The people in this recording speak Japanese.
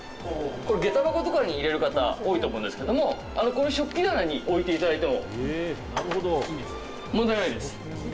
下駄箱とかに入れる方、多いと思うんですけど、食器棚に置いていただいても問題ないです。